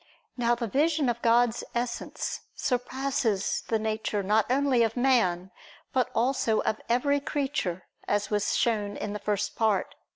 Now the vision of God's Essence surpasses the nature not only of man, but also of every creature, as was shown in the First Part (Q.